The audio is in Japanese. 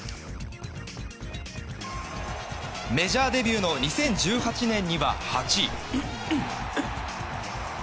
メジャーデビューの２０１８年には８位。